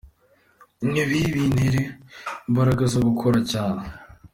Ibi bintera imbaraga zo gukora cyane.